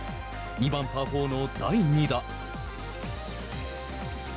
２番パー４の第２打。